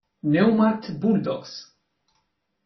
Neumarkt Bulldogs.